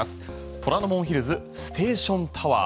虎ノ門ヒルズステーションタワー。